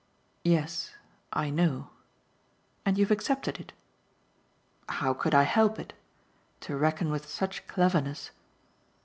"Yes, I know." "And you've accepted it." "How could I help it? To reckon with such cleverness